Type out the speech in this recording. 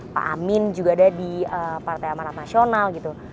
pak amin juga ada di partai amarat nasional gitu